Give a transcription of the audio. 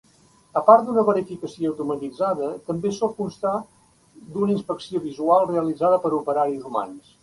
A part d’una verificació automatitzada, també sol constar d’una inspecció visual realitzada per operaris humans.